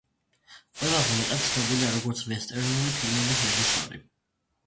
ყველაზე მეტად ცნობილია, როგორც ვესტერნული ფილმების რეჟისორი.